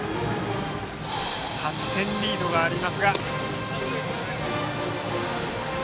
８点リードがあります。